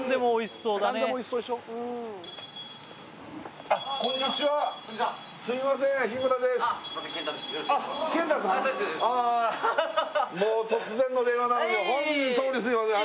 そうですもう突然の電話なのに本当にすいません